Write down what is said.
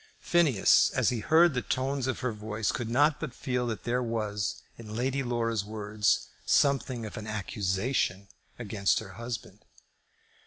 Phineas, as he heard the tones of her voice, could not but feel that there was in Lady Laura's words something of an accusation against her husband.